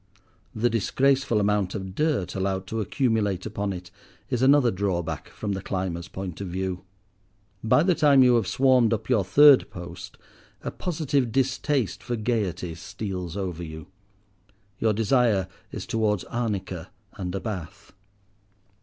The disgraceful amount of dirt allowed to accumulate upon it is another drawback from the climber's point of view. By the time you have swarmed up your third post a positive distaste for "gaiety" steals over you. Your desire is towards arnica and a bath.